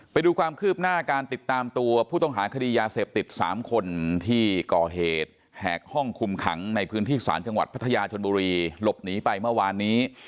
ไปดูความคืบหน้าการติดตามตัวผู้ต้องหาคดียาเสพติด๓คนที่ก่อเหตุแหกห้องคุมขังในพื้นที่ศาลจังหวัดพัทยาชนบุรีหลบหนีไปเมื่อวานนี้